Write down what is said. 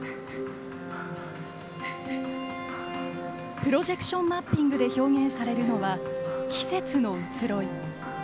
プロジェクションマッピングで表現されるのは、季節の移ろい。